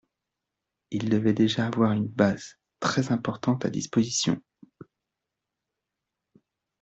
ils devaient déjà avoir une base très importante à disposition.